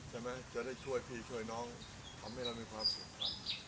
ใช่ไหมจะได้ช่วยพี่ช่วยน้องทำให้เรามีความสุข